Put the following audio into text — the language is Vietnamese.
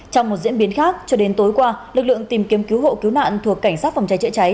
trong một diễn biến khác cho đến tối qua lực lượng tìm kiếm cứu hộ cứu nạn thuộc cảnh sát phòng cháy chữa cháy